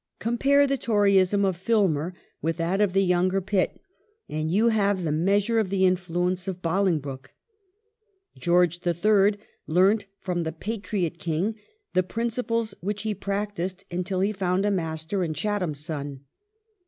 Compare the Toryism of Filmer with that of the younger Pitt and you have the measure of the influence of Bolingbroke.^ George III. learnt from the Patriot King the principles which hi practised until he found a master in Chatham's son.